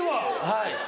はい。